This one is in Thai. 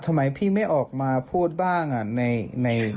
ทำไมพี่ไม่ออกมาพูดบ้าง